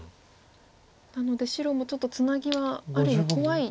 なので白もちょっとツナギはある意味怖い。